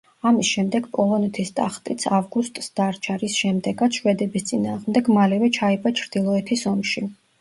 ამის შემდეგ პოლონეთის ტახტიც ავგუსტს დარჩა, რის შემდეგაც შვედების წინააღმდეგ მალევე ჩაება ჩრდილოეთის ომში.